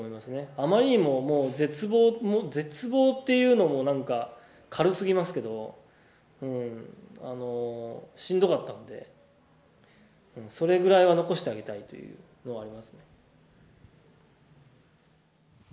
あまりにももう絶望絶望っていうのもなんか軽すぎますけどしんどかったのでそれぐらいは残してあげたいというのはありますね。